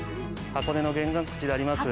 箱根の玄関口であります